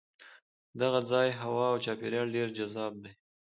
د دغه ځای هوا او چاپېریال ډېر جذاب دی.